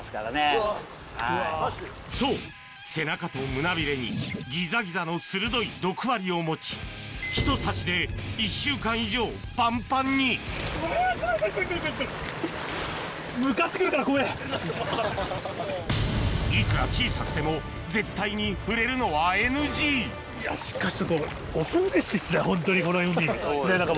そう背中と胸ビレにギザギザの鋭い毒針を持ちひと刺しで１週間以上パンパンにいくら小さくても絶対に触れるのはＮＧしかし。